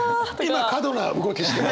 今過度な動きしてます。